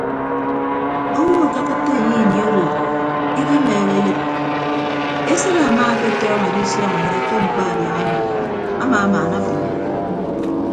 Owo akekịtte enye ini odo ikimeehe eyịd esịt amaaketọñọ edisọñ enye ke mkpa adiaha amọ amamaanabʌññọ.